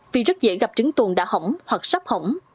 vì rất dễ gặp trứng tuồn đã hỏng hoặc sắp hỏng